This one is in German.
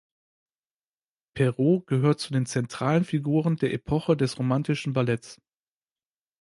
Perrot gehört zu den zentralen Figuren der Epoche des „romantischen Balletts“.